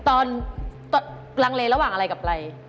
ตอนรังเลระหว่างอะไรกับอะไร